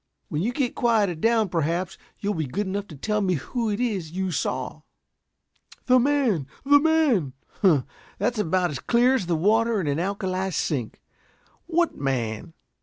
"When you get quieted down perhaps you'll be good enough to tell me who it is you saw?" "The man, the man!" "Humph! That's about as clear as the water in an alkali sink. What man?"